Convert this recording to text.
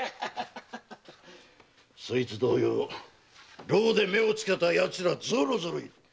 そいつ同様牢で目をつけた奴はぞろぞろいる！